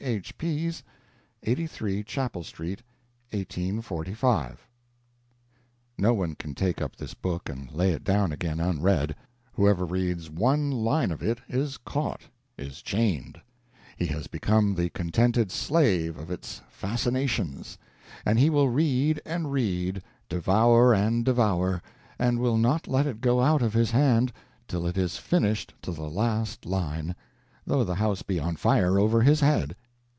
H. Pease, 83 Chapel Street, 1845." No one can take up this book and lay it down again unread. Whoever reads one line of it is caught, is chained; he has become the contented slave of its fascinations; and he will read and read, devour and devour, and will not let it go out of his hand till it is finished to the last line, though the house be on fire over his head.